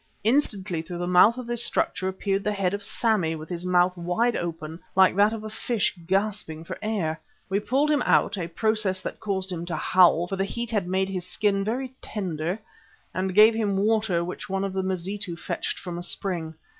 Instantly through the mouth of this structure appeared the head of Sammy with his mouth wide open like that of a fish gasping for air. We pulled him out, a process that caused him to howl, for the heat had made his skin very tender, and gave him water which one of the Mazitu fetched from a spring.